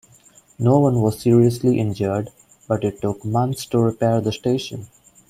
No one was seriously injured, but it took months to repair the station.